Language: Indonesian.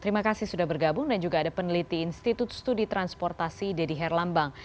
terima kasih sudah bergabung dan juga ada peneliti institut studi transportasi deddy herlambang